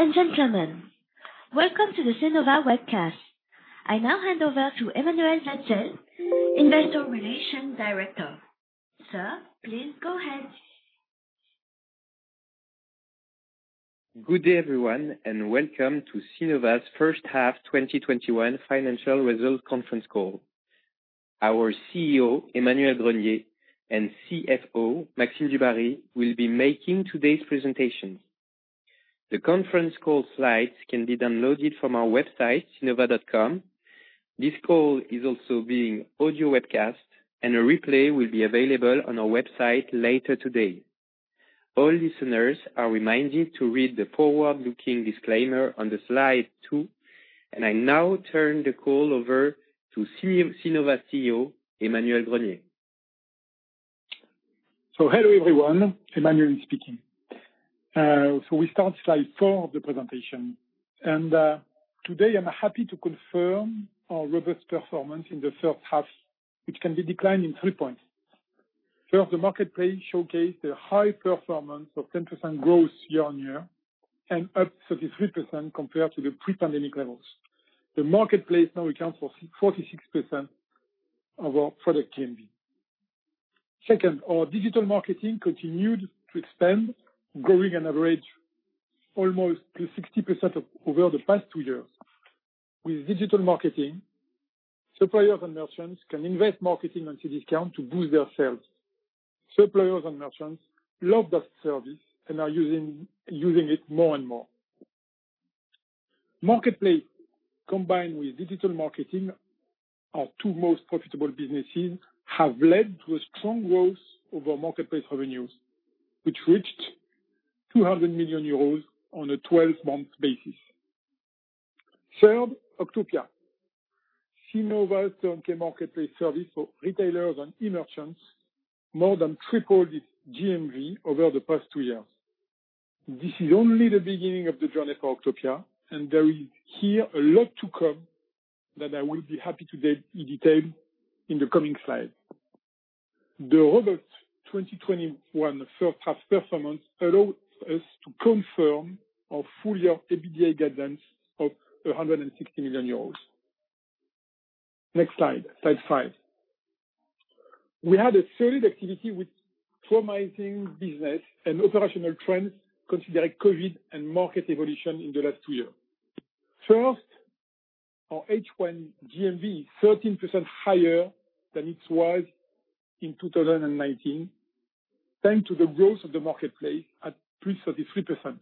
Ladies and gentlemen, welcome to the Cnova webcast. I now hand over to Emmanuel Wetzel, Investor Relations Director. Sir, please go ahead. Good day, everyone, and welcome to Cnova's first-half 2021 financial results conference call. Our CEO, Emmanuel Grenier, and CFO, Maxime Dubarry, will be making today's presentation. The conference call slides can be downloaded from our website, cnova.com. This call is also being audio webcast, and a replay will be available on our website later today. All listeners are reminded to read the forward-looking disclaimer on the slide 2, and I now turn the call over to Cnova CEO, Emmanuel Grenier. Hello, everyone. Emmanuel is speaking. We start slide 4 of the presentation. Today I am happy to confirm our robust performance in the first half, which can be declined in three points. First, the marketplace showcased a high performance of 10% growth year-on-year and up 33% compared to the pre-pandemic levels. The marketplace now accounts for 46% of our product GMV. Second, our digital marketing continued to expand, growing on average almost to 60% over the past two years. Digital marketing, suppliers and merchants can invest marketing on Cdiscount to boost their sales. Suppliers and merchants love that service and are using it more and more. Marketplace combined with digital marketing, our two most profitable businesses, have led to a strong growth over marketplace revenues, which reached 200 million euros on a 12-month basis. Third, Octopia. Cnova's turnkey marketplace service for retailers and e-merchants more than tripled its GMV over the past two years. This is only the beginning of the journey for Octopia, there is here a lot to come that I will be happy to detail in the coming slide. The robust 2021 first half performance allows us to confirm our full year EBITDA guidance of 160 million euros. Next slide 5. We had a solid activity with promising business and operational trends considering COVID and market evolution in the last two years. First, our H1 GMV 13% higher than it was in 2019, thanks to the growth of the marketplace at +33%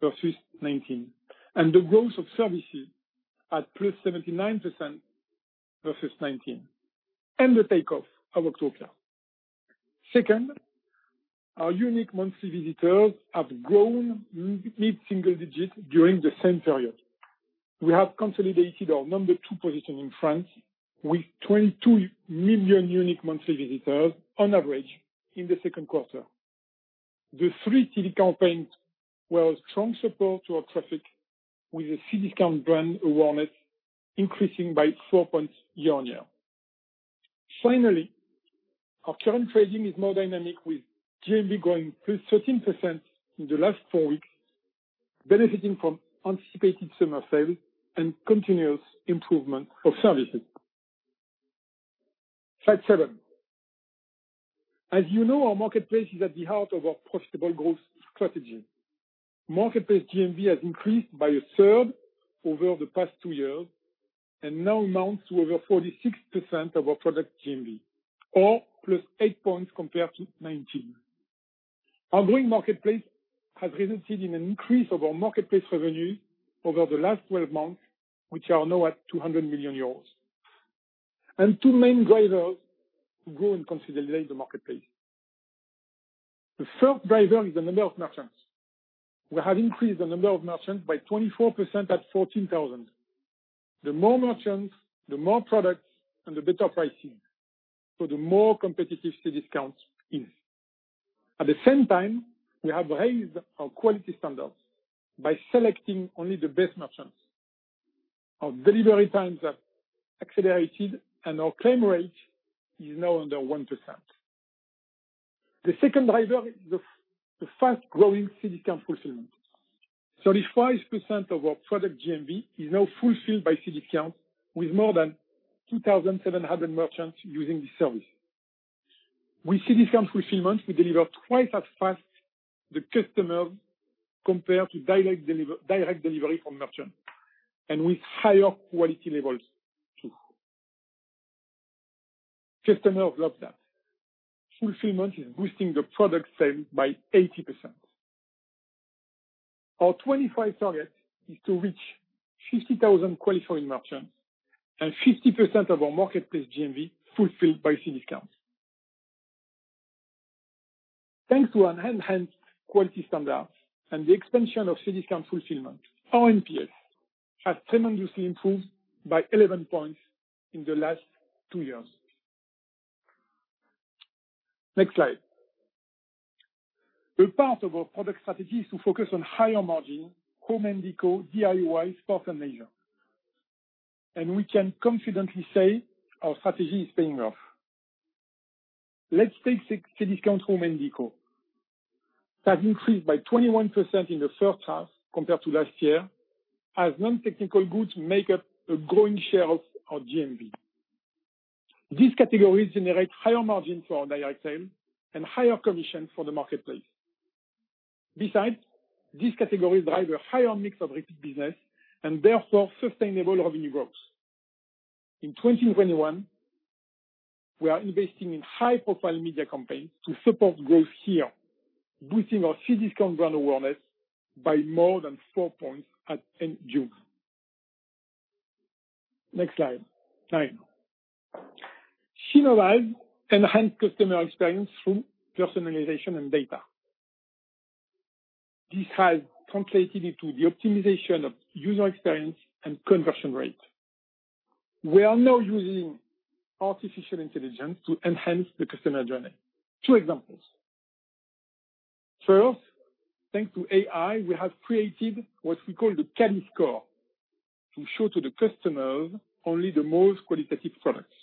versus 2019, and the growth of services at +79% versus 2019, and the take off of Octopia. Second, our unique monthly visitors have grown mid-single digits during the same period. We have consolidated our number two position in France with 22 million unique monthly visitors on average in the second quarter. The three Cdiscount campaigns were a strong support to our traffic, with the Cdiscount brand awareness increasing by four points year-on-year. Finally, our current trading is more dynamic with GMV growing +13% in the last four weeks, benefiting from anticipated summer sales and continuous improvement of services. Slide 7. As you know, our marketplace is at the heart of our profitable growth strategy. Marketplace GMV has increased by a third over the past two years and now amounts to over 46% of our product GMV or +8 points compared to 2019. Our growing marketplace has resulted in an increase of our marketplace revenue over the last 12 months, which are now at €200 million. Two main drivers who grow and consolidate the marketplace. The first driver is the number of merchants. We have increased the number of merchants by 24% at 14,000. The more merchants, the more products, and the better pricing, the more competitive Cdiscount is. At the same time, we have raised our quality standards by selecting only the best merchants. Our delivery times have accelerated, and our claim rate is now under 1%. The second driver is the fast-growing Cdiscount fulfillment. 35% of our product GMV is now fulfilled by Cdiscount with more than 2,700 merchants using the service. With Cdiscount fulfillment, we deliver twice as fast the customer compared to direct delivery from merchant, and with higher quality levels too. Customer loves that. Fulfillment is boosting the product sale by 80%. Our 2025 target is to reach 50,000 qualifying merchants and 50% of our marketplace GMV fulfilled by Cdiscount. Thanks to our enhanced quality standards and the expansion of Cdiscount Fulfillment, our NPS has tremendously improved by 11 points in the last two years. Next slide. A part of our product strategy is to focus on higher margin Home & Décor, DIY, Sports, and Leisure. We can confidently say our strategy is paying off. Let's take Cdiscount Home & Deco. It has increased by 21% in the first half compared to last year, as non-technical goods make up a growing share of our GMV. These categories generate higher margin for our direct sale and higher commission for the marketplace. These categories drive a higher mix of retail business and therefore sustainable revenue growth. In 2021, we are investing in high-profile media campaigns to support growth here, boosting our Cdiscount brand awareness by more than four points at end June. Next slide 9. Cnova enhance customer experience through personalization and data. This has translated into the optimization of user experience and conversion rate. We are now using artificial intelligence to enhance the customer journey. Two examples. First, thanks to AI, we have created what we call the Cadi Score to show to the customers only the most qualitative products.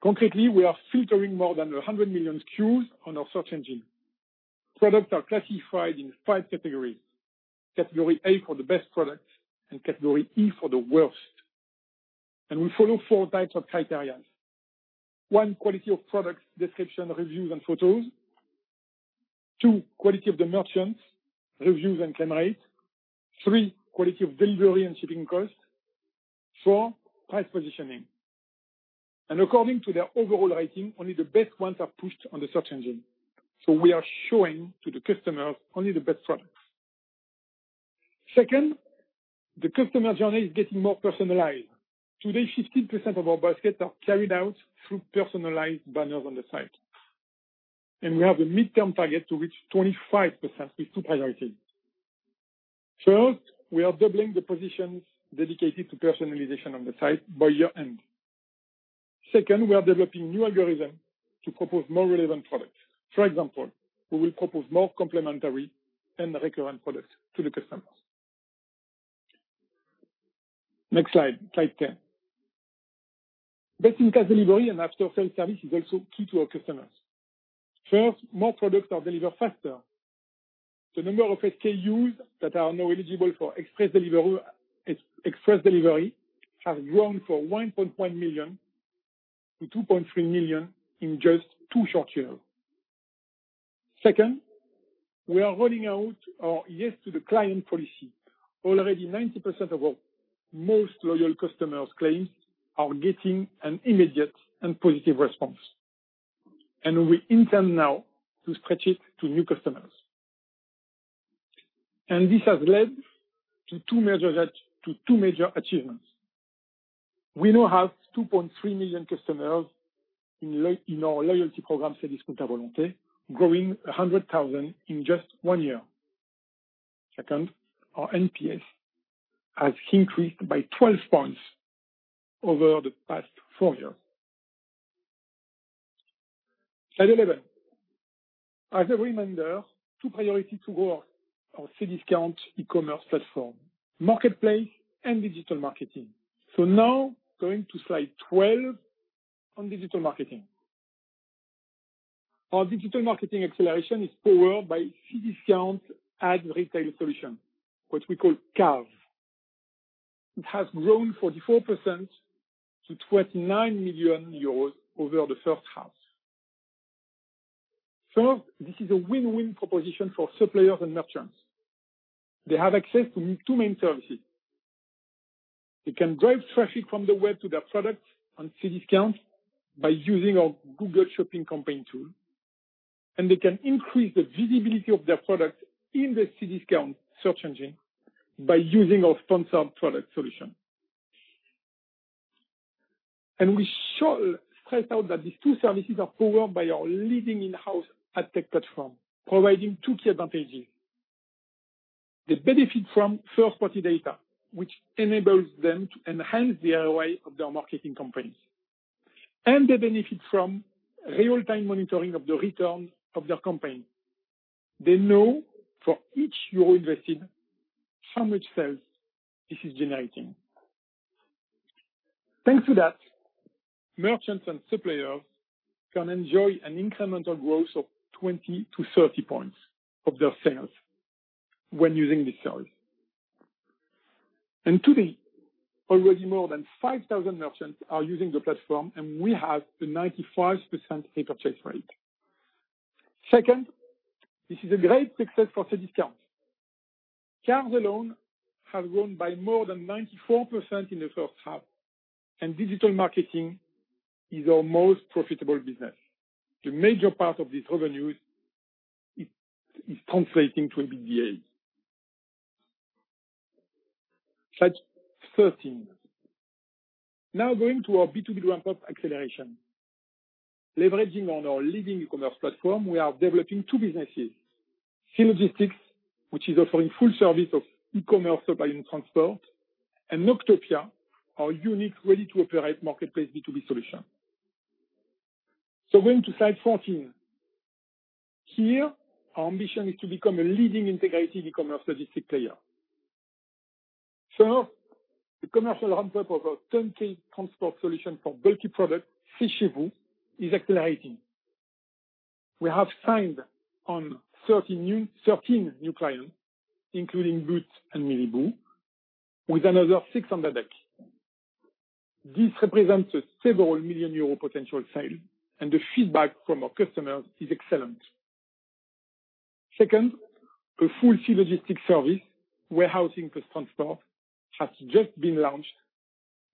Concretely, we are filtering more than 100 million SKUs on our search engine. Products are classified in five categories. Category A for the best products and category E for the worst. We follow four types of criteria. 1, quality of product description, reviews and photos. 2, quality of the merchants, reviews and claim rate. 3, quality of delivery and shipping cost. 4, price positioning. According to their overall rating, only the best ones are pushed on the search engine. We are showing to the customers only the best products. Second, the customer journey is getting more personalized. Today, 15% of our baskets are carried out through personalized banners on the site. We have a midterm target to reach 25% with two priorities. First, we are doubling the positions dedicated to personalization on the site by year-end. Second, we are developing new algorithm to propose more relevant products. For example, we will propose more complementary and relevant products to the customers. Next slide 10. Best-in-class delivery and after sales service is also key to our customers. First, more products are delivered faster. The number of SKUs that are now eligible for express delivery has grown from 1.1 million to 2.3 million in just two short years. Second, we are rolling out our Yes to the Client Policy. Already, 90% of our most loyal customers' claims are getting an immediate and positive response. We intend now to stretch it to new customers. This has led to two major achievements. We now have 2.3 million customers in our loyalty program, Cdiscount à Volonté, growing 100,000 in just one year. Second, our NPS has increased by 12 points over the past four years. Slide 11. As a reminder, two priorities to grow our Cdiscount e-commerce platform, marketplace and digital marketing. Now, going to slide 12 on digital marketing. Our digital marketing acceleration is powered by Cdiscount Ads Retail Solution, which we call CARS. It has grown 44% to 29 million euros over the first half. First, this is a win-win proposition for suppliers and merchants. They have access to two main services. They can drive traffic from the web to their products on Cdiscount by using our Google Shopping campaign tool, and they can increase the visibility of their products in the Cdiscount search engine by using our sponsored product solution. We should stress out that these two services are powered by our leading in-house AdTech platform, providing two key advantages. They benefit from first-party data, which enables them to enhance the ROI of their marketing campaigns. They benefit from real-time monitoring of the return of their campaign. They know for each EUR invested how much sales this is generating. Thanks to that, merchants and suppliers can enjoy an incremental growth of 20-30 points of their sales when using this service. To date, already more than 5,000 merchants are using the platform, and we have a 95% take-up rate. Second, this is a great success for Cdiscount. CARS alone has grown by more than 94% in the first half. Digital marketing is our most profitable business. The major part of this revenue is translating to EBITDA. Slide 13. Going to our B2B ramp-up acceleration. Leveraging on our leading e-commerce platform, we are developing two businesses, C-Logistics, which is offering full service of e-commerce supply and transport, and Octopia, our unique ready-to-operate marketplace B2B solution. Going to slide 14. Here, our ambition is to become a leading integrated e-commerce logistics player. The commercial ramp-up of our turnkey transport solution for bulky product, C Chez Vous, is accelerating. We have signed on 13 new clients, including Lutz and Miliboo, with another six on the deck. This represents a several million EUR potential sale. The feedback from our customers is excellent. Second, a full C-Logistics service warehousing for transport has just been launched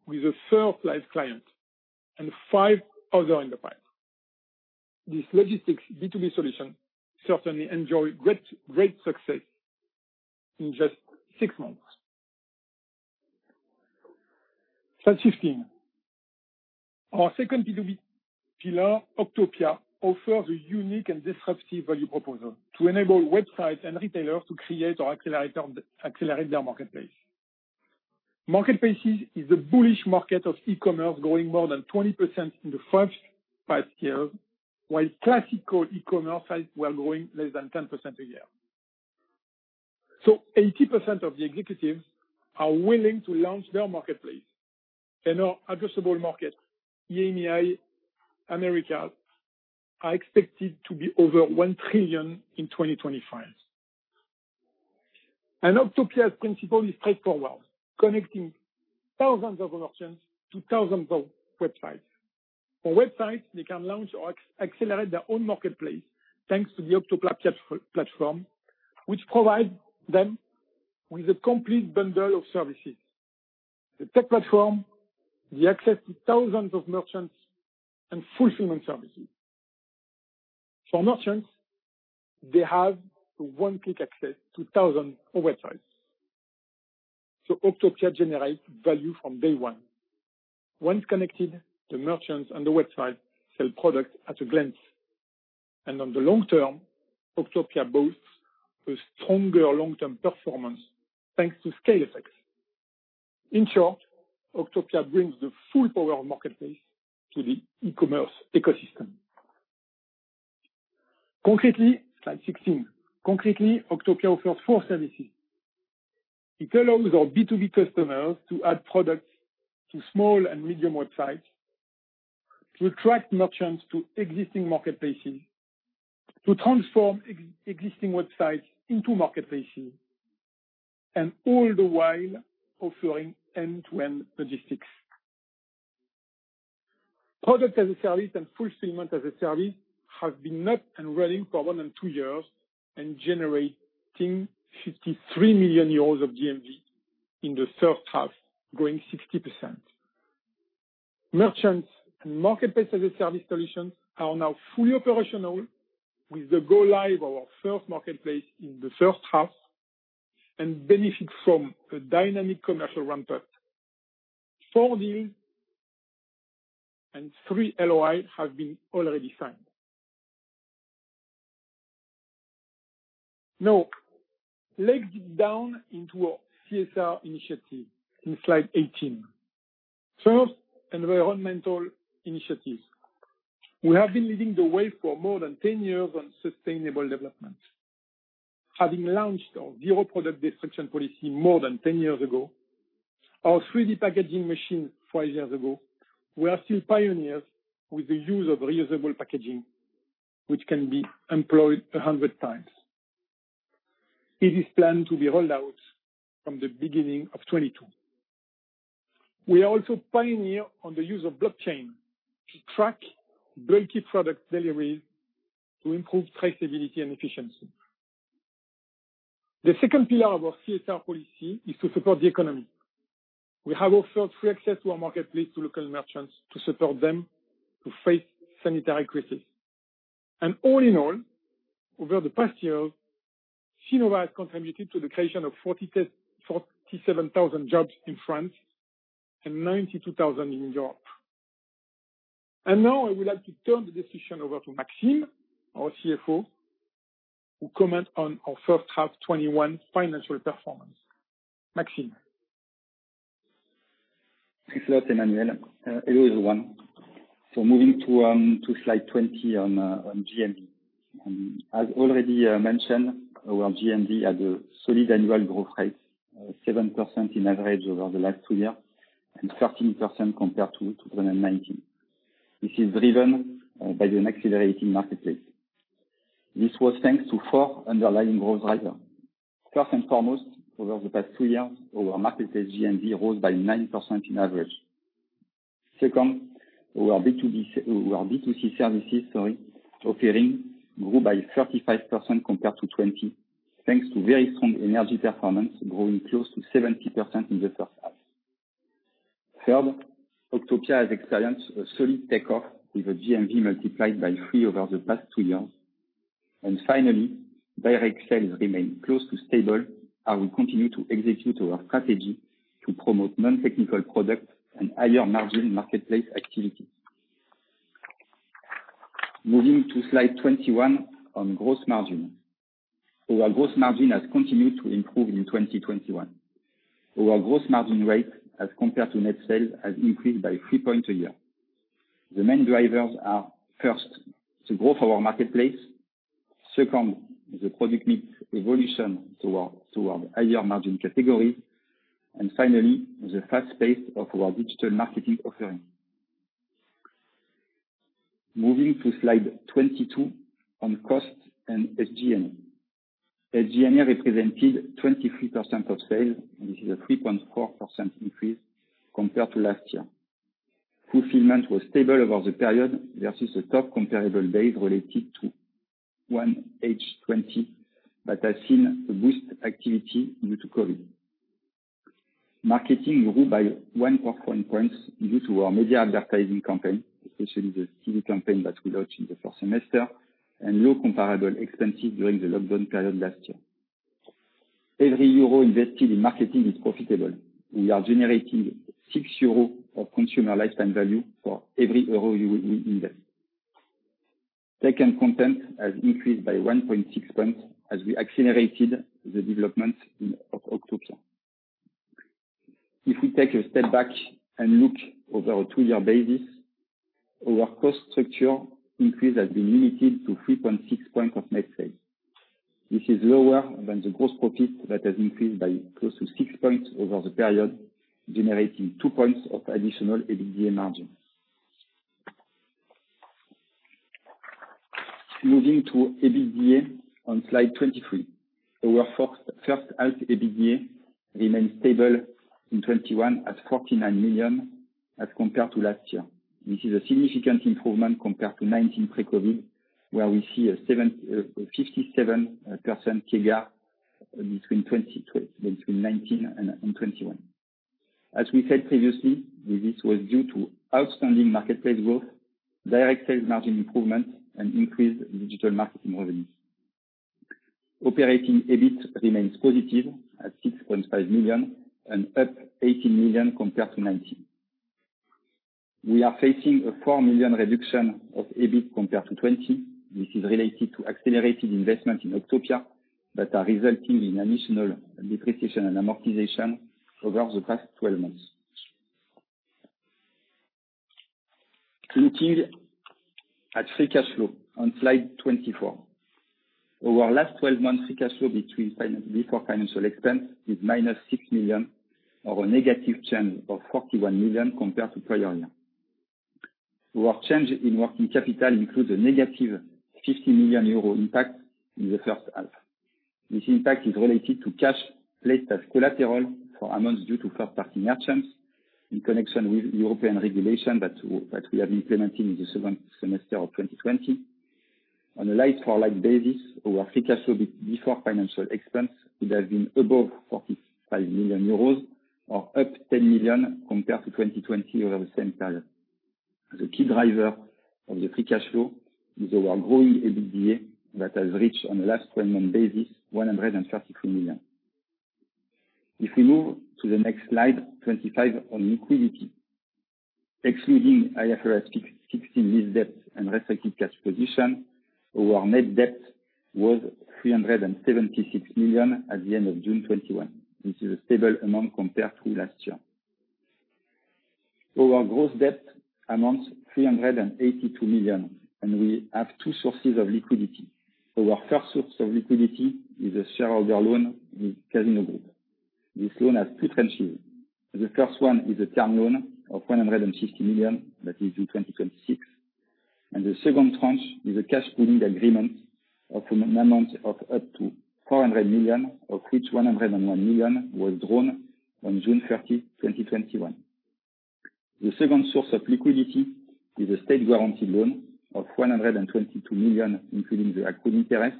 with a third live client and five other in the pipe. This logistics B2B solution certainly enjoy great success in just six months. Slide 15. Our second B2B pillar, Octopia, offers a unique and disruptive value proposal to enable websites and retailers to create or accelerate their marketplace. Marketplaces is a bullish market of e-commerce growing more than 20% in the first five years, while classical e-commerce sites were growing less than 10% a year. 80% of the executives are willing to launch their marketplace. Our addressable market, EMEA, America, are expected to be over 1 trillion in 2025. Octopia's principle is straightforward, connecting thousands of merchants to thousands of websites. For websites, they can launch or accelerate their own marketplace, thanks to the Octopia platform, which provide them with a complete bundle of services. The tech platform, the access to thousands of merchants, and fulfillment services. For merchants, they have one-click access to thousands of websites. Octopia generates value from day one. Once connected, the merchants on the website sell products at a glance. On the long term, Octopia boasts a stronger long-term performance, thanks to scale effects. In short, Octopia brings the full power of marketplace to the e-commerce ecosystem. Slide 16. Concretely, Octopia offers four services. It allows our B2B customers to add products to small and medium websites, to attract merchants to existing marketplaces, to transform existing websites into marketplaces, and all the while offering end-to-end logistics. Product-as-a-Service and Fulfillment-as-a-Service have been up and running for more than two years and generating 53 million euros of GMV in the first half, growing 60%. Merchants-as-a-Service and Marketplace-as-a-Service solutions are now fully operational with the go live our first marketplace in the first half and benefit from a dynamic commercial ramp-up. Four deals and three LOI have been already signed. Let's dig down into our CSR initiative in slide 18. First, environmental initiatives. We have been leading the way for more than 10 years on sustainable development. Having launched our zero product destruction policy more than 10 years ago, our 3D packaging machine five years ago, we are still pioneers with the use of reusable packaging, which can be employed 100 times. It is planned to be rolled out from the beginning of 2022. We are also pioneer on the use of blockchain to track bulky product deliveries to improve traceability and efficiency. The second pillar of our CSR policy is to support the economy. We have offered free access to our marketplace to local merchants to support them to face sanitary crisis. All in all, over the past year, Cnova has contributed to the creation of 47,000 jobs in France and 92,000 in Europe. Now I would like to turn the discussion over to Maxime, our CFO, to comment on our first half 2021 financial performance. Maxime. Thanks a lot, Emmanuel. Hello, everyone. Moving to slide 20 on GMV. As already mentioned, our GMV had a solid annual growth rate of 7% in average over the last two years and 13% compared to 2019, which is driven by an accelerating marketplace. This was thanks to four underlying growth drivers. First and foremost, over the past two years, our marketplace GMV rose by 90% in average. Second, our B2C services offering grew by 35% compared to 2020, thanks to very strong energy performance, growing close to 70% in the first half. Third, Octopia has experienced a solid take-off with a GMV multiplied by three over the past two years. Finally, direct sales remain close to stable as we continue to execute our strategy to promote non-technical products and higher margin marketplace activity. Moving to slide 21 on gross margin. Our gross margin has continued to improve in 2021. Our gross margin rate as compared to net sales has increased by three points a year. The main drivers are first, the growth of our marketplace. Second, the product mix evolution toward higher margin category. Finally, the fast pace of our digital marketing offering. Moving to Slide 22 on costs and SG&A. SG&A represented 23% of sales. This is a 3.4% increase compared to last year. Fulfillment was stable over the period versus the top comparable days related to 1H 2020 that has seen a boost activity due to COVID. Marketing grew by 0.25 point due to our media advertising campaign, especially the TV campaign that we launched in the first semester and low comparable expenses during the lockdown period last year. Every EUR invested in marketing is profitable. We are generating 6 euros of consumer lifetime value for every EUR we invest. Tech and content has increased by 1.6 points as we accelerated the development of Octopia. If we take a step back and look over a 2-year basis, our cost structure increase has been limited to 3.6 points of net sales. This is lower than the gross profit that has increased by close to six points over the period, generating two points of additional EBITDA margin. Moving to EBITDA on Slide 23. Our first half EBITDA remained stable in 2021 at 49 million as compared to last year. This is a significant improvement compared to 2019 pre-COVID, where we see a 57% CAGR between 2019 and 2021. As we said previously, this was due to outstanding marketplace growth, direct sales margin improvement, and increased digital marketing revenues. Operating EBIT remains positive at 6.5 million and up 18 million compared to 2019. We are facing a 4 million reduction of EBIT compared to 2020. This is related to accelerated investment in Octopia that are resulting in additional depreciation and amortization over the past 12 months. Looking at free cash flow on Slide 24. Our last 12-month free cash flow before financial expense is minus 6 million or a negative change of 41 million compared to prior year. Our change in working capital includes a negative 50 million euro impact in the first half. This impact is related to cash placed as collateral for amounts due to third party merchants in connection with European regulation that we have implemented in the second semester of 2020. On a like for like basis, our free cash flow before financial expense would have been above 45 million euros or up 10 million compared to 2020 over the same period. The key driver of the free cash flow is our growing EBITDA that has reached on a last 12-month basis, 133 million. If we move to the next slide, 25, on liquidity. Excluding IFRS 16 lease debt and restricted cash position, our net debt was 376 million at the end of June 2021. This is a stable amount compared to last year. Our gross debt amounts 382 million, and we have two sources of liquidity. Our first source of liquidity is a shareholder loan with Casino Group. This loan has two tranches. The first one is a term loan of 160 million that is due 2026, and the second tranche is a cash pooling agreement of amount of up to 400 million, of which 101 million was drawn on June 30, 2021. The second source of liquidity is a state guaranteed loan of 122 million, including the accrued interest.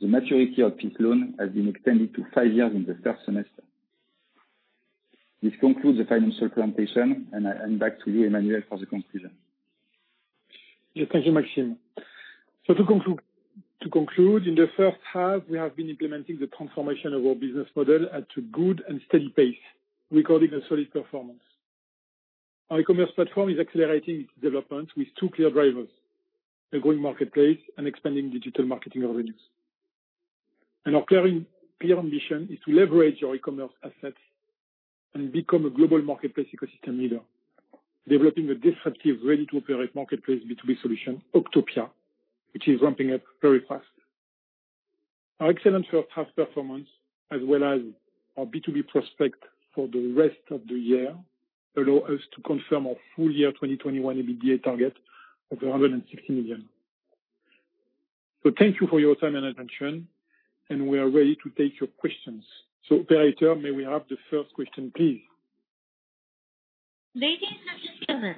The maturity of this loan has been extended to five years in the first semester. This concludes the financial presentation, and I hand back to you, Emmanuel, for the conclusion. Yes, thank you, Maxime. To conclude, in the first half, we have been implementing the transformation of our business model at a good and steady pace, recording a solid performance. Our e-commerce platform is accelerating its development with two clear drivers, a growing marketplace and expanding digital marketing revenues. Our clear ambition is to leverage our e-commerce assets and become a global marketplace ecosystem leader, developing a disruptive, ready-to-operate marketplace B2B solution, Octopia, which is ramping up very fast. Our excellent first half performance, as well as our B2B prospect for the rest of the year, allow us to confirm our full year 2021 EBITDA target of 160 million. Thank you for your time and attention, and we are ready to take your questions. Operator, may we have the first question, please? Ladies and gentlemen,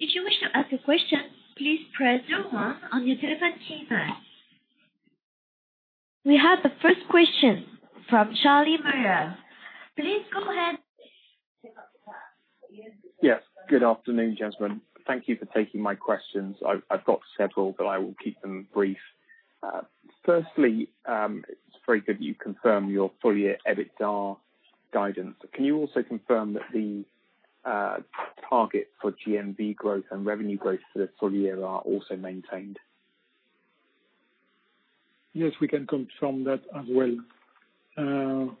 if you wish to ask a question, please press zero one on your telephone keypad. We have the first question from Charlie Mayeur. Please go ahead. Yes. Good afternoon, gentlemen. Thank you for taking my questions. I've got several, but I will keep them brief. It's very good you confirm your full year EBITDA guidance. Can you also confirm that the target for GMV growth and revenue growth for the full year are also maintained? Yes, we can confirm that as well.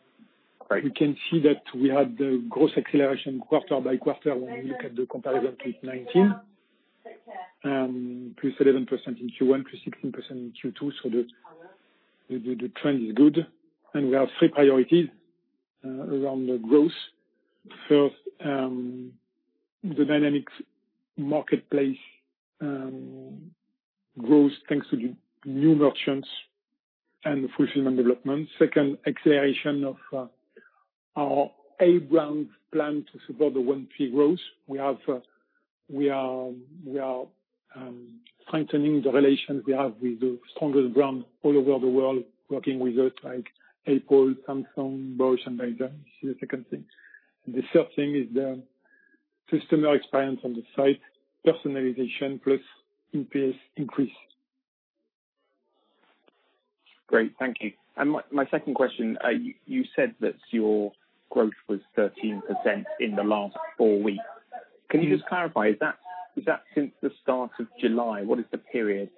Great. You can see that we had the growth acceleration quarter by quarter when you look at the comparison to 2019. +11% in Q1, +16% in Q2, the trend is good. We have three priorities around the growth. First, the dynamics marketplace growth, thanks to the new merchants and the fulfillment development. Second, acceleration of our A brand plan to support the 1P growth. We are strengthening the relations we have with the strongest brands all over the world working with us like Apple, Samsung, Bosch, and Beurer. This is the second thing. The third thing is the customer experience on the site, personalization plus NPS increase. Great. Thank you. My second question, you said that your growth was 13% in the last four weeks. Can you just clarify, is that since the start of July? What is the period?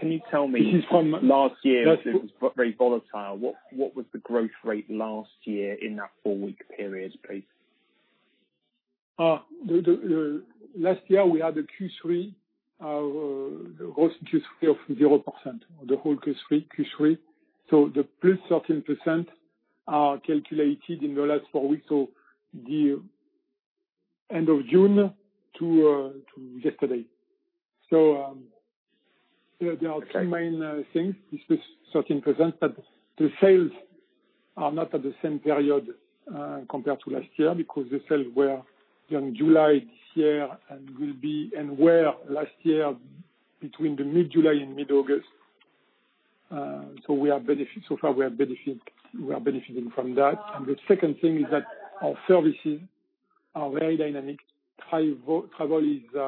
Can you tell me- This is from- Last year was very volatile. What was the growth rate last year in that 4-week period, please? Last year we had Q3, the whole Q3 of 0%. The whole Q3. The plus 13% are calculated in the last four weeks. The end of June to yesterday. There are two main things. This was 13%, but the sales are not at the same period, compared to last year, because the sales were young July this year and were last year between the mid-July and mid-August. Far we are benefiting from that. The second thing is that our services are very dynamic. Travel is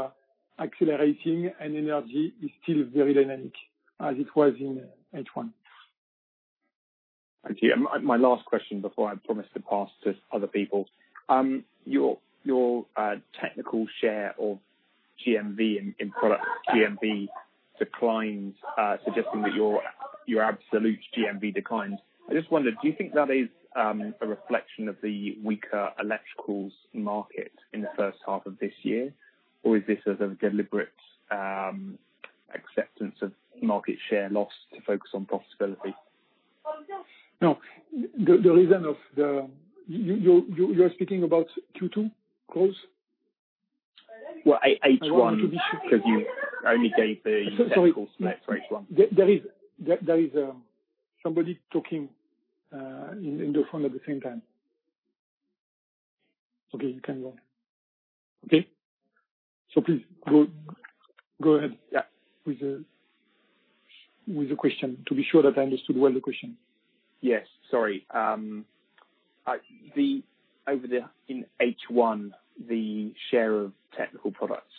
accelerating, and energy is still very dynamic as it was in H1. Thank you. My last question before I promise to pass to other people. Your technical share of GMV in product GMV declined, suggesting that your absolute GMV declined. I just wondered, do you think that is a reflection of the weaker electricals market in the first half of this year, or is this a deliberate acceptance of market share loss to focus on profitability? No. You're speaking about Q2 growth? Well, I want to be sure. You only gave the technicals for H1. Sorry. There is somebody talking in the phone at the same time. Okay, you can go on. Okay. Please go ahead. Yeah. With the question, to be sure that I understood well the question. Yes. Sorry. In H1, the share of technical products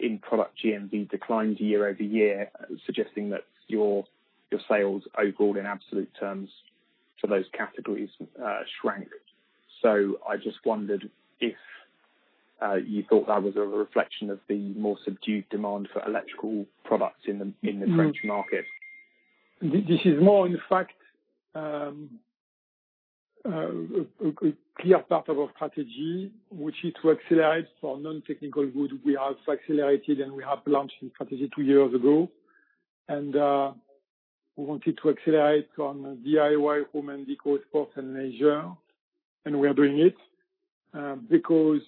in product GMV declined year-over-year, suggesting that your sales overall in absolute terms for those categories shrank. I just wondered if you thought that was a reflection of the more subdued demand for electrical products in the French market. This is more, in fact, a clear part of our strategy, which is to accelerate for non-technical good. We have accelerated, and we have launched the strategy two years ago. We wanted to accelerate on DIY, Home & Décor, Sports, and Leisure. We are doing it, because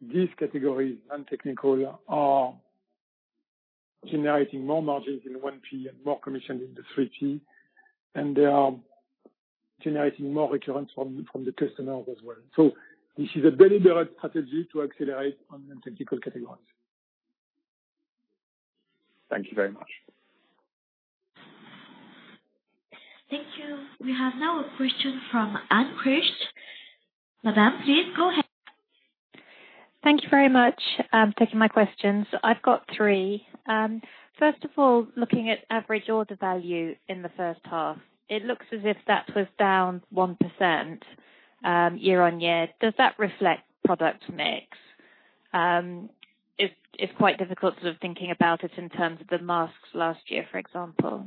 these categories, non-technical, are generating more margins in 1P and more commission in the 3P, and they are generating more recurrence from the customer as well. This is a deliberate strategy to accelerate on non-technical categories. Thank you very much. Thank you. We have now a question from Anne Critchlow. Madam, please go ahead. Thank you very much taking my questions. I have got three. First of all, looking at average order value in the first half, it looks as if that was down 1%, year-on-year. Does that reflect product mix? It is quite difficult sort of thinking about it in terms of the masks last year, for example.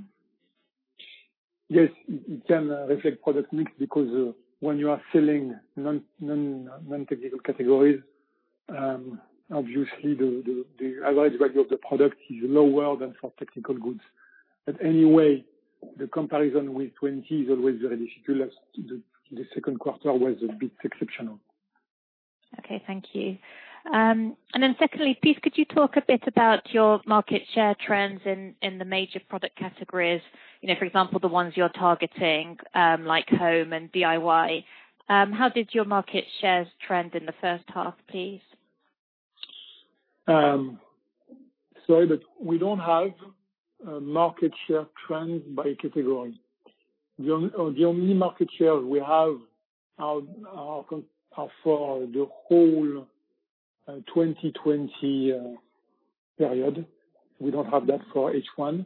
Yes, it can reflect product mix because when you are selling non-technical categories, obviously the average value of the product is lower than for technical goods. Anyway, the comparison with 2020 is always very difficult as the second quarter was a bit exceptional. Okay. Thank you. Secondly, please, could you talk a bit about your market share trends in the major product categories, for example, the ones you're targeting, like Home and DIY. How did your market shares trend in the first half, please? Sorry, we don't have market share trends by category. The only market share we have are for the whole 2020 period. We don't have that for H1.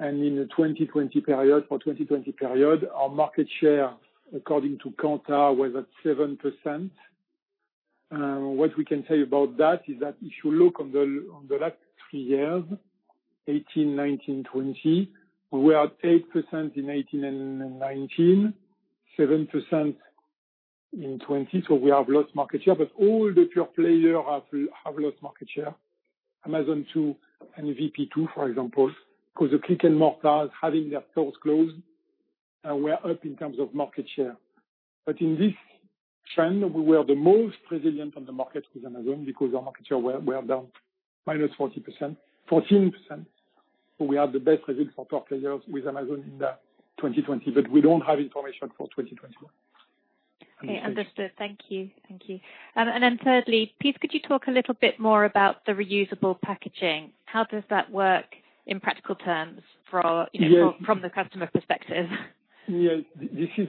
In the 2020 period, our market share, according to Kantar, was at 7%. What we can tell you about that is that if you look on the last three years, 2018, 2019, 2020, we are at 8% in 2018 and 2019, 7% in 2020. We have lost market share, but all the pure players have lost market share. Amazon too, and Veepee too, for example, because of click and mortars having their stores closed. We're up in terms of market share. In this trend, we were the most resilient on the market with Amazon because our market share were down -14%. We have the best results for pure players with Amazon in the 2020 but we don't have information for 2021. Okay, understood. Thank you. Thirdly, please could you talk a little bit more about the reusable packaging? How does that work in practical terms from the customer perspective? Yes, this is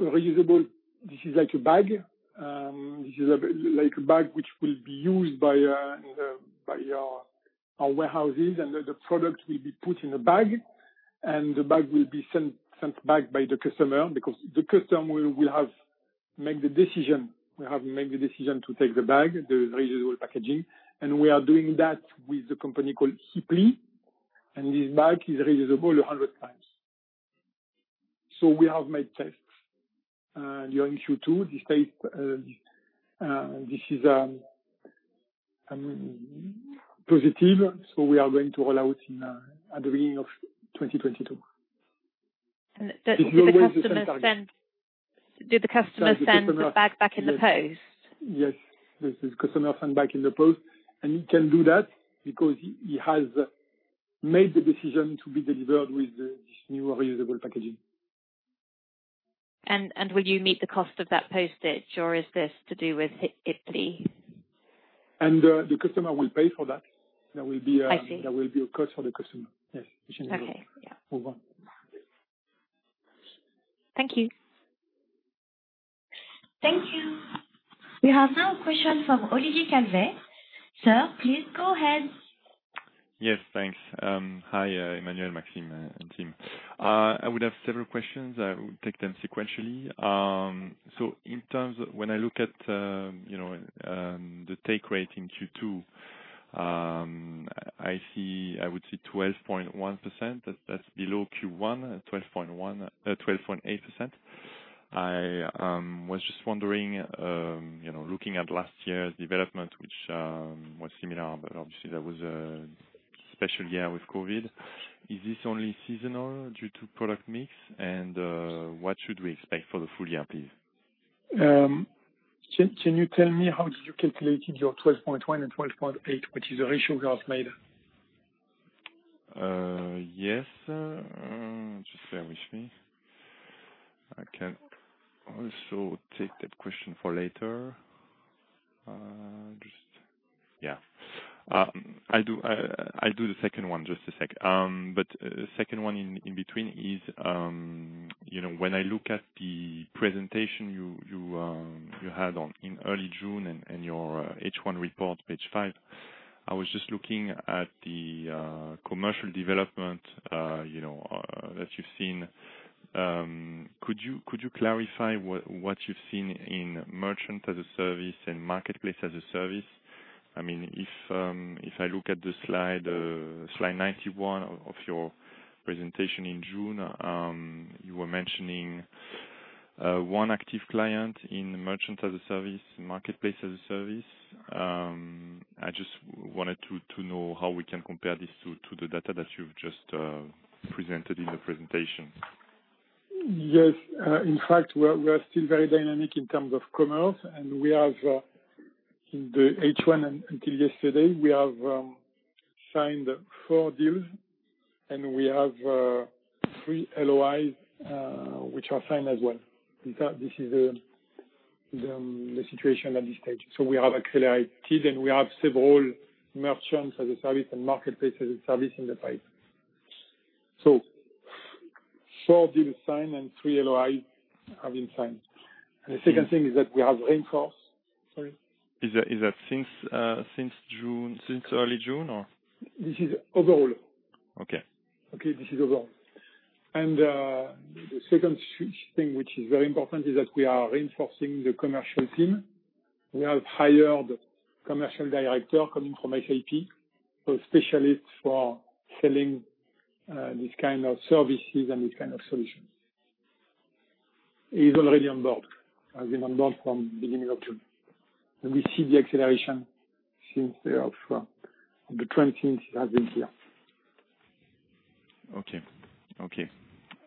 reusable. This is like a bag which will be used by our warehouses, and the product will be put in a bag, and the bag will be sent back by the customer because the customer will have made the decision to take the bag, the reusable packaging. We are doing that with a company called Hipli. This bag is reusable 100 times. We have made tests during Q2. This is positive, we are going to roll out at the beginning of 2022. Do the customers send the bag back in the post? Yes. The customer send back in the post. He can do that because he has made the decision to be delivered with this new reusable packaging. Will you meet the cost of that postage, or is this to do with Hipli? The customer will pay for that. I see. There will be a cost for the customer. Yes. Okay. Yeah. Over. Thank you. Thank you. We have now a question from Olivier Calvet. Sir, please go ahead. Yes, thanks. Hi, Emmanuel, Maxime, and team. I would have several questions. I will take them sequentially. When I look at the take rate in Q2, I would see 12.1%. That's below Q1 at 12.8%. I was just wondering, looking at last year's development, which was similar, but obviously that was a special year with COVID, is this only seasonal due to product mix? What should we expect for the full year, please? Can you tell me, how did you calculate your 12.1$ and 12.8%, which is a ratio we have made? Yes. Just bear with me. I can also take that question for later. Yeah. I'll do the second one. Just a sec. Second one in between is, when I look at the presentation you had in early June and your H1 report, page 5, I was just looking at the commercial development that you've seen. Could you clarify what you've seen in Merchant as a Service and Marketplace as a Service? If I look at the slide 91 of your presentation in June, you were mentioning 1 active client in Merchant-as-a-Service and Marketplace-as-a-Service. I just wanted to know how we can compare this to the data that you've just presented in the presentation. Yes. In fact, we are still very dynamic in terms of commerce. We have in the H1 and until yesterday, we have signed four deals. We have three LOIs which are signed as well. In fact, this is the situation at this stage. We have accelerated. We have several Merchants-as-a-Service and Marketplace-as-a-Service in the pipe. Four deals signed and three LOIs have been signed. The second thing is that we have reinforced. Sorry. Is that since early June or? This is overall. Okay. Okay, this is overall. The second thing which is very important is that we are reinforcing the commercial team. We have hired a commercial director coming from SAP, a specialist for selling these kind of services and these kind of solutions. He's already on board. Has been on board from beginning of June. We see the acceleration since the twentieth he has been here. Okay.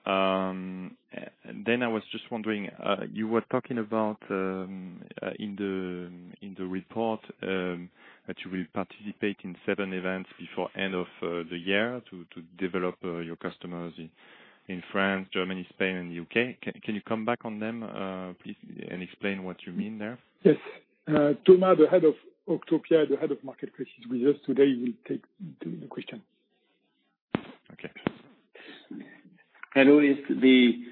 I was just wondering, you were talking about in the report that you will participate in seven events before end of the year to develop your customers in France, Germany, Spain, and U.K. Can you come back on them, please, and explain what you mean there? Yes. Thomas, the head of Octopia, the Head of Marketplace, is with us today. He will take the question. Okay. Hello. The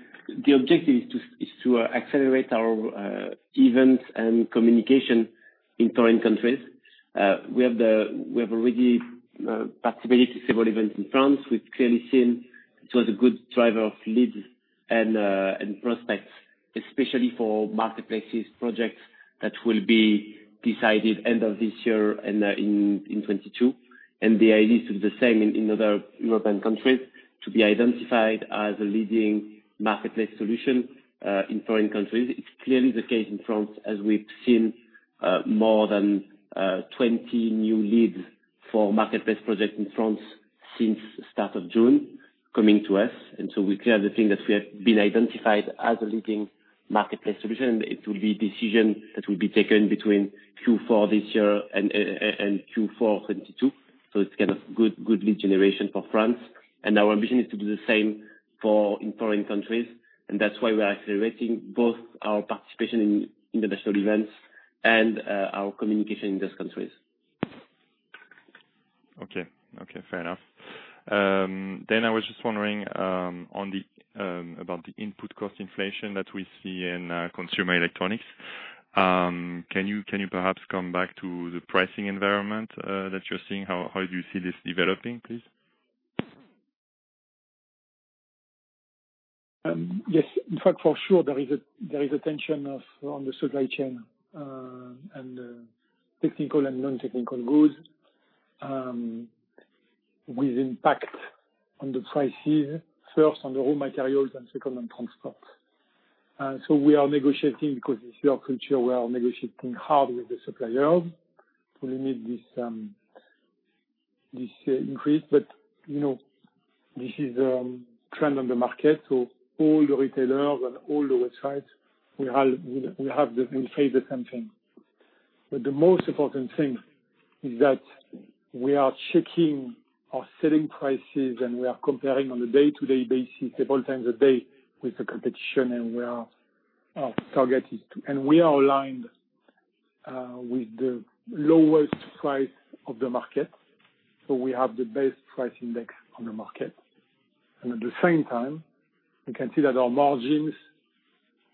objective is to accelerate our events and communication in foreign countries. We have already participated in several events in France. We've clearly seen it was a good driver of leads and prospects, especially for marketplaces projects that will be decided end of this year and in 2022. The idea is to do the same in other European countries to be identified as a leading marketplace solution in foreign countries. It's clearly the case in France, as we've seen more than 20 new leads for marketplace projects in France since start of June, coming to us. We're clear the thing that we have been identified as a leading marketplace solution, it will be a decision that will be taken between Q4 this year and Q4 2022. It's kind of good lead generation for France. Our ambition is to do the same for foreign countries, and that's why we are accelerating both our participation in international events and our communication in those countries. Okay. Fair enough. I was just wondering, about the input cost inflation that we see in consumer electronics. Can you perhaps come back to the pricing environment that you're seeing? How do you see this developing, please? Yes. In fact, for sure, there is a tension on the supply chain, and technical and non-technical goods, with impact on the prices. First on the raw materials and second on transport. We are negotiating because it's our culture, we are negotiating hard with the suppliers to limit this increase. This is a trend on the market, so all the retailers and all the websites, we face the same thing. The most important thing is that we are checking our selling prices, and we are comparing on a day-to-day basis, several times a day with the competition. We are aligned with the lowest price of the market. We have the best price index on the market. At the same time, you can see that our margins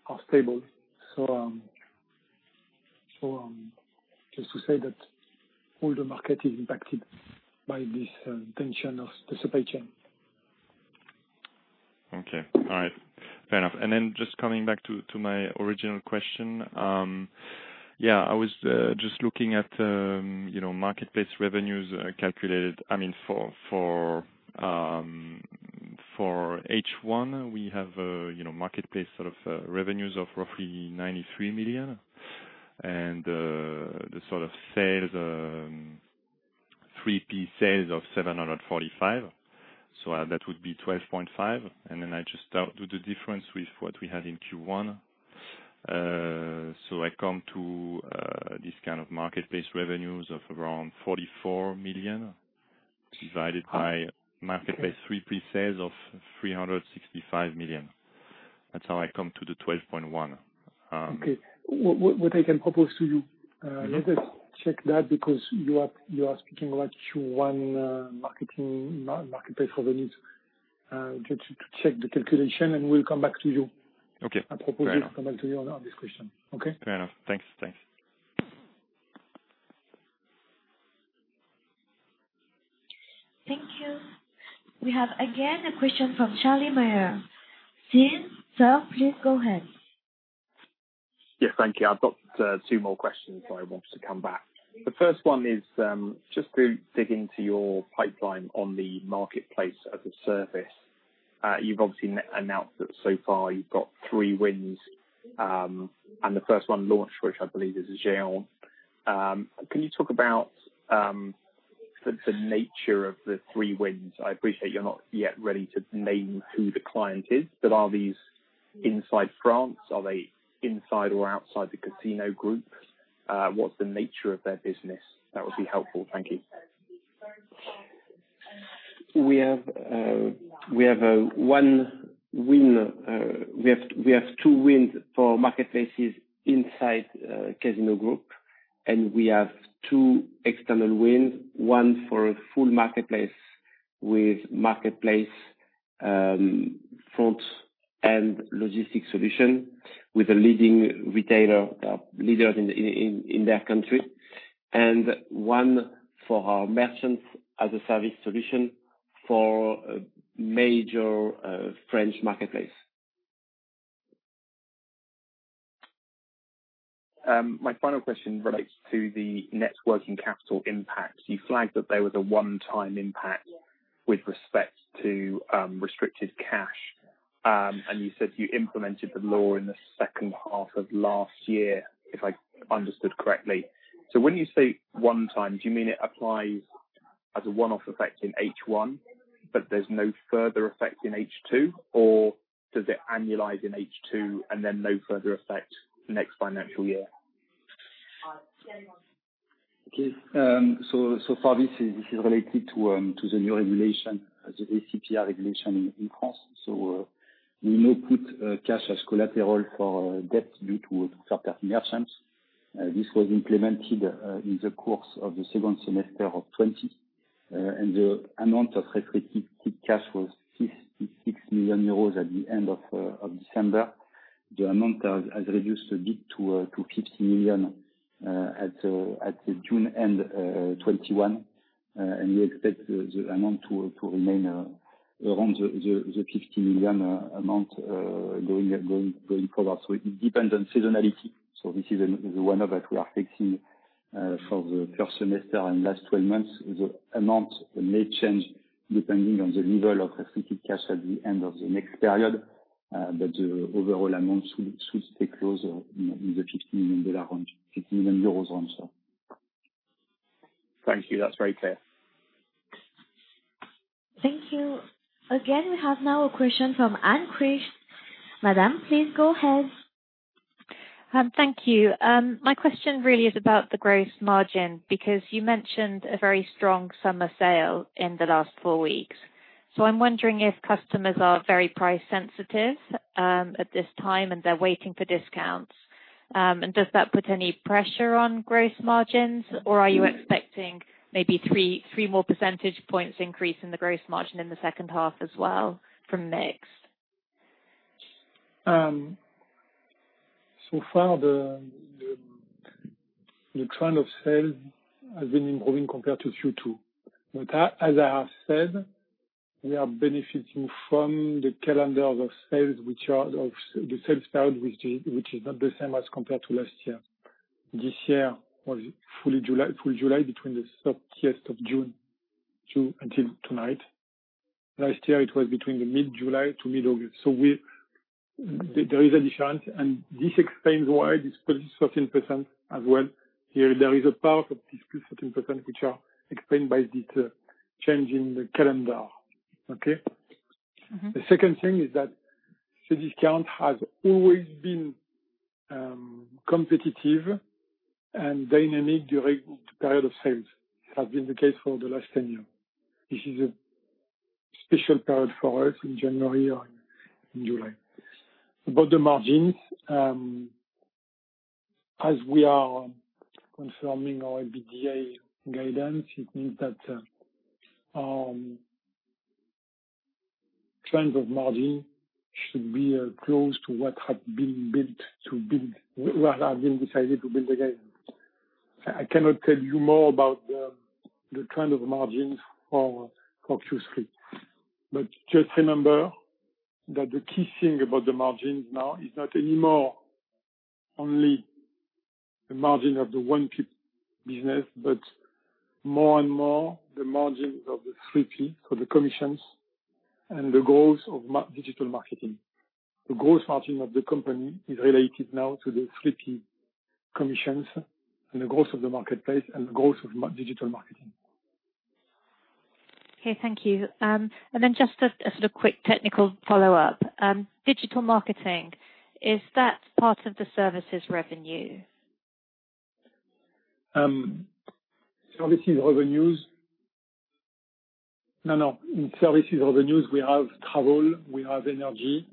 are stable. Just to say that all the market is impacted by this tension of the supply chain. Okay. All right. Fair enough. Just coming back to my original question. I was just looking at marketplace revenues calculated for H1. We have marketplace sort of revenues of roughly 93 million. The sort of 3P sales of 745 million. That would be 12.5%. I just do the difference with what we had in Q1. I come to this kind of marketplace revenues of around 44 million divided by marketplace 3P sales of 365 million. That's how I come to the 12.1%. Okay. What I can propose to you, let us check that because you are speaking about Q1 marketplace revenues. To check the calculation, and we'll come back to you. Okay. Fair enough. I propose we come back to you on this question. Okay? Fair enough. Thanks. Thank you. We have, again, a question from Charlie Mayeur. Sir, please go ahead. Yes. Thank you. I've got two more questions that I wanted to come back. The 1st one is just to dig into your pipeline on the Marketplace-as-a-Service. You've obviously announced that so far you've got three wins. The 1st one launched, which I believe is Géant. Can you talk about the nature of the three wins? I appreciate you're not yet ready to name who the client is. Are these inside France? Are they inside or outside the Casino Group? What's the nature of their business? That would be helpful. Thank you. We have two wins for marketplaces inside Casino Group. we have two external wins, one for a full marketplace with marketplace front and logistic solution with a leading retailer, leaders in their country, and one for our Merchants-as-a-Service solution for a major French marketplace. My final question relates to the net working capital impact. You flagged that there was a one-time impact with respect to restricted cash. You said you implemented the law in the second half of last year, if I understood correctly. When you say one time, do you mean it applies as a one-off effect in H1, but there's no further effect in H2? Or does it annualize in H2 and then no further effect next financial year? Okay. Far this is related to the new regulation, the ACPR regulation in France. We may put cash as collateral for debt due to certain merchants. This was implemented in the course of the second semester of 2020. The amount of restricted cash was 66 million euros at the end of December. The amount has reduced a bit to 50 million at the June end 2021, and we expect the amount to remain around the 50 million amount going forward. It depends on seasonality. This is the one that we are fixing for the first semester and last 12 months. The amount may change depending on the level of restricted cash at the end of the next period, but the overall amount should stay close in the EUR 50 million range, 50 million euros range. Thank you. That's very clear. Thank you. Again, we have now a question from Anne Krish. Madam, please go ahead. Thank you. My question really is about the gross margin, because you mentioned a very strong summer sale in the last four weeks. I'm wondering if customers are very price sensitive at this time and they're waiting for discounts. Does that put any pressure on gross margins, or are you expecting maybe three more percentage points increase in the gross margin in the second half as well from next? Far, the trend of sales has been improving compared to Q2. As I have said, we are benefiting from the calendar of sales, the sales period, which is not the same as compared to last year. This year was full July, between the 30th of June until tonight. Last year, it was between the mid-July to mid-August. There is a difference, and this explains why this +13% as well. Here, there is a part of this +13%, which are explained by the change in the calendar. Okay. Mmhmm. The second thing is that Cdiscount has always been competitive and dynamic during the period of sales. It has been the case for the last 10 years. This is a special period for us in January and in July. About the margins, as we are confirming our EBITDA guidance, it means that trends of margin should be close to what have been decided to build again. I cannot tell you more about the kind of margins for Q3. Just remember that the key thing about the margins now is not anymore only the margin of the 1P business, but more and more the margins of the 3P, so the commissions, and the growth of digital marketing. The gross margin of the company is related now to the 3P commissions and the growth of the marketplace and the growth of digital marketing. Okay, thank you. Just a sort of quick technical follow-up. Digital marketing, is that part of the services revenue? Services revenues. No, no. In services revenues, we have travel, we have energy.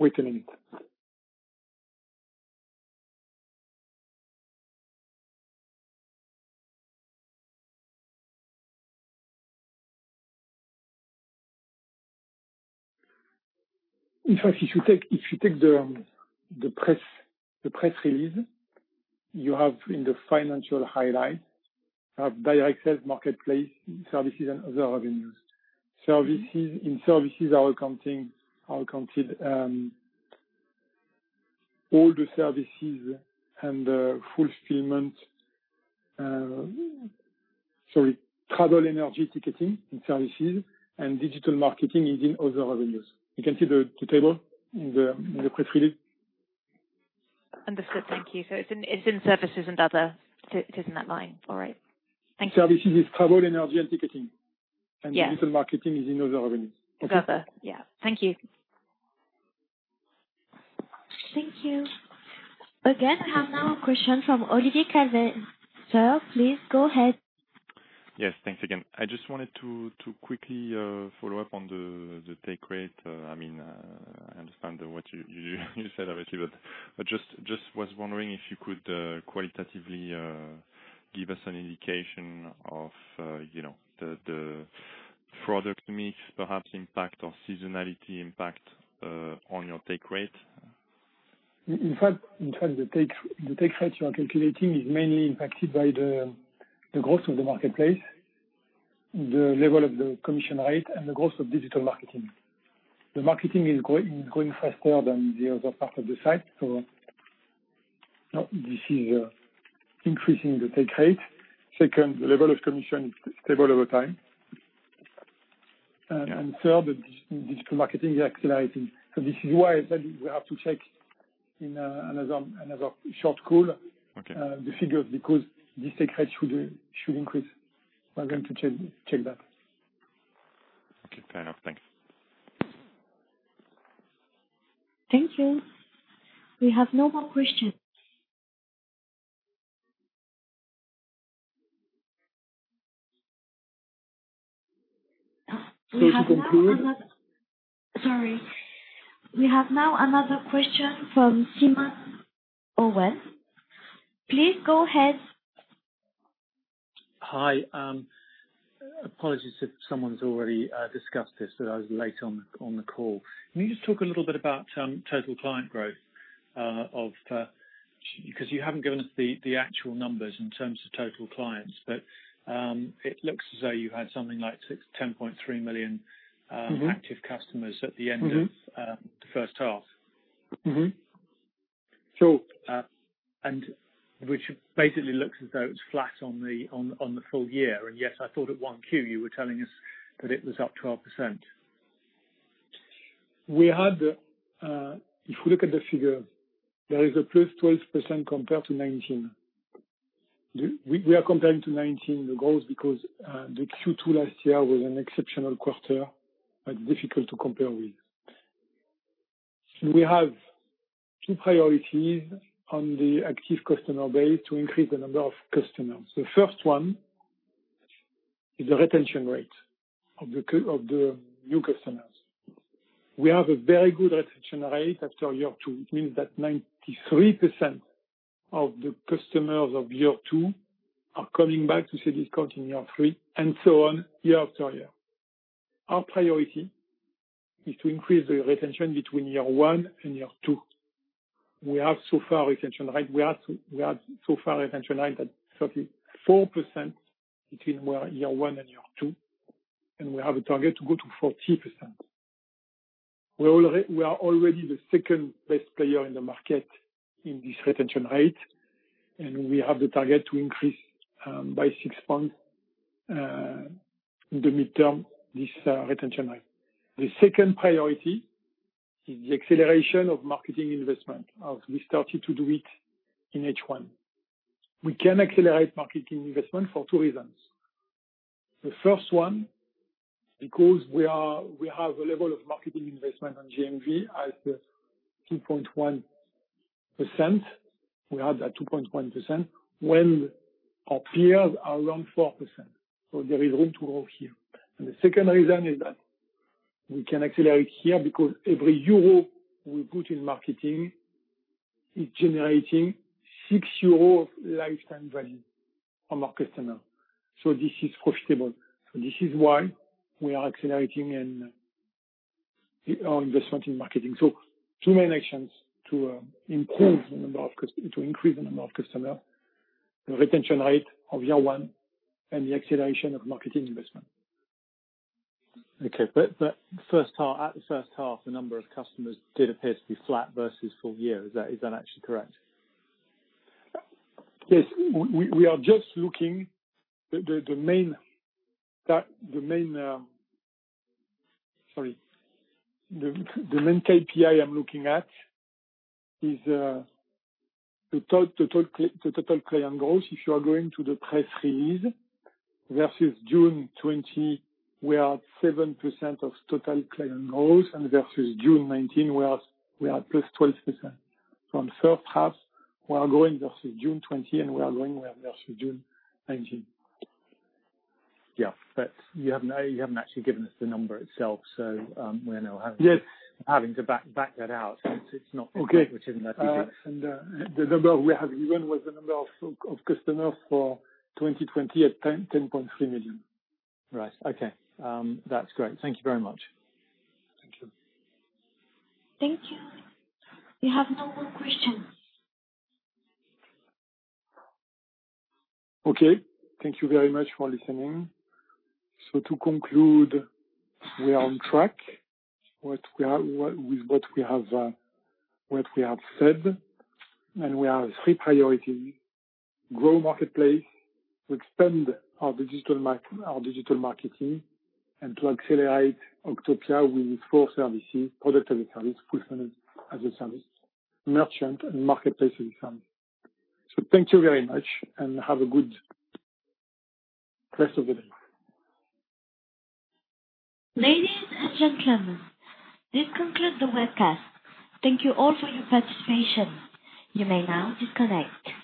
Wait a minute. In fact, if you take the press release, you have in the financial highlight, you have direct sales marketplace services and other revenues. In services are counting all the services and the fulfillment Sorry, travel, energy ticketing in services and digital marketing is in other revenues. You can see the table in the press release. Understood. Thank you. It's in services and other. It is in that line. All right. Thank you. Services is travel, energy and ticketing. Yeah. Digital marketing is in other revenues. Other. Yeah. Thank you. Thank you. Again, I have now a question from Olivier Calvet. sir, please go ahead. Yes. Thanks again. I just wanted to quickly follow up on the take rate. I understand what you said, obviously, but just was wondering if you could qualitatively give us an indication of the product mix, perhaps impact or seasonality impact on your take rate. In fact, the take rate you are calculating is mainly impacted by the growth of the marketplace, the level of the commission rate, and the growth of digital marketing. The marketing is growing faster than the other part of the site. This is increasing the take rate. Second, the level of commission is stable over time. Yeah. Third, digital marketing is accelerating. This is why I said we have to check in another short call- Okay the figures because this take rate should increase. We are going to check that. Okay, fair enough. Thank you. Thank you. We have no more questions. To conclude. Sorry. We have now another question from Simon Owens. Please go ahead. Hi. Apologies if someone's already discussed this, but I was late on the call. Can you just talk a little bit about total client growth? You haven't given us the actual numbers in terms of total clients. It looks as though you had something like 10.3 million. Mmhmm. active customers at the end of- Mmhmm. the first half. Mmhmm. Sure. Which basically looks as though it's flat on the full year. Yet I thought at 1Q, you were telling us that it was up 12%. If you look at the figure, there is a +12% compared to 2019. We are comparing to 2019, the growth, because the Q2 last year was an exceptional quarter and difficult to compare with. We have two priorities on the active customer base to increase the number of customers. The first one is the retention rate of the new customers. We have a very good retention rate after year two. It means that 93% of the customers of year two are coming back to Cdiscount in year three, and so on, year after year. Our priority is to increase the retention between year one and year two. We have so far retention rate at 34% between year one and year two, and we have a target to go to 40%. We are already the second-best player in the market in this retention rate, and we have the target to increase by six points in the midterm, this retention rate. The second priority is the acceleration of marketing investment, as we started to do it in H1. We can accelerate marketing investment for two reasons. The first one, because we have a level of marketing investment on GMV as 2.1%. We have that 2.1% when our peers are around 4%. There is room to grow here. The second reason is that we can accelerate here because every EUR we put in marketing is generating 6 euros of lifetime value on our customer. This is profitable. This is why we are accelerating our investment in marketing. 2 main actions to increase the number of customer, the retention rate of year one and the acceleration of marketing investment. Okay. At the first half, the number of customers did appear to be flat versus full year. Is that actually correct? Yes. The main KPI I'm looking at is the total client growth. If you are going to the press release versus June 2020, we are 7% of total client growth and versus June 2019, we are +12%. From first half, we are growing versus June 2020, and we are growing versus June 2019. Yeah. You haven't actually given us the number itself, so we're now having. Yes to back that out, so it's not- Okay which isn't that easy. The number we have given was the number of customers for 2020 at 10.3 million. Right. Okay. That's great. Thank you very much. Thank you. Thank you. We have no more questions. Okay. Thank you very much for listening. To conclude, we are on track with what we have said, and we have 3 priorities: grow marketplace, expand our digital marketing, and to accelerate Octopia with four services, Product-as-a-Service, Fulfillment-as-a-Service, Merchants-as-a-Service and Marketplace-as-a-Service. Thank you very much, and have a good rest of the day. Ladies and gentlemen, this concludes the webcast. Thank you all for your participation. You may now disconnect.